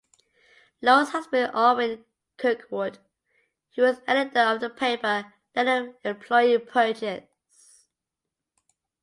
Laura's husband Irwin Kirkwood, who was editor of the paper, led the employee purchase.